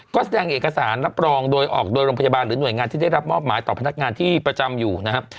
ก็แสดงเอกสารรับรองโดยออกโดยโรงพยาบาลหรือหน่วยงานที่ได้รับมอบหมายต่อพนักงานที่ประจำอยู่นะครับ